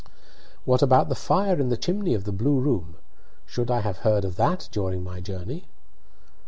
"What about the fire in the chimney of the blue room should I have heard of that during my journey?"